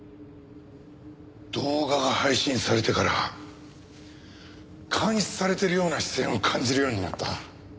動画が配信されてから監視されているような視線を感じるようになった。